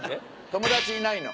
友達いないの。